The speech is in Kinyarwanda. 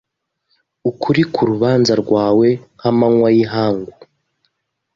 ukuri k’urubanza rwawe nk’amanywa y’ihangu